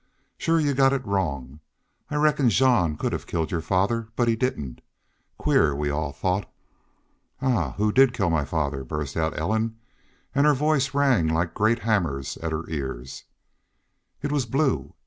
"Shore y'u've got it wrong. I reckon Jean could have killed your father.... But he didn't. Queer, we all thought." "Ah! ... Who did kill my father?" burst out Ellen, and her voice rang like great hammers at her ears. "It was Blue.